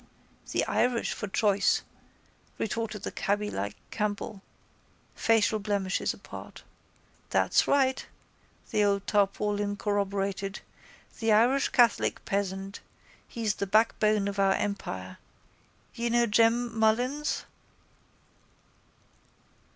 —The Irish, for choice, retorted the cabby like Campbell, facial blemishes apart. —That's right, the old tarpaulin corroborated. The Irish catholic peasant. He's the backbone of our empire. You know Jem Mullins?